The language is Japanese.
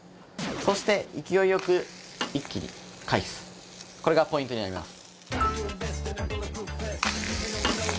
そして勢いよく一気に返すこれがポイントになります